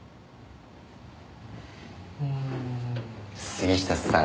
杉下さん。